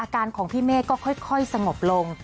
ของพี่เมฆก็ค่อยสงบลง